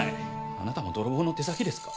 あなたも泥棒の手先ですか？